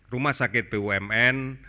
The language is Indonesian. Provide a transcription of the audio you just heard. rumah sakit bumn